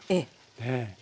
ええ。